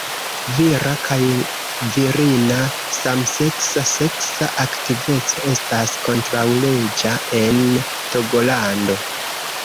Vira kaj virina samseksa seksa aktiveco estas kontraŭleĝa en Togolando.